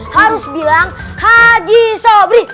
harus bilang haji sobri